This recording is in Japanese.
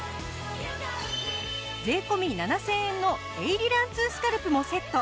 税込７０００円のエイリラン２スカルプもセット。